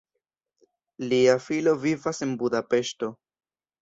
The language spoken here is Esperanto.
Lia filo vivas en Budapeŝto.